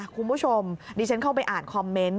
คุณผู้ชมดิฉันเข้าไปอ่านคอมเมนต์